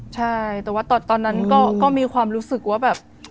ใช่แต่ว่าตอนนั้นก็มีความรู้สึกว่าแบบ